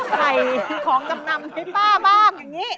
ใส่ของจำนำให้ป้าบ้างอย่างนี้